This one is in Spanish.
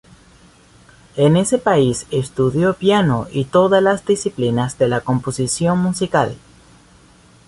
En ese país estudió piano y todas las disciplinas de la composición musical.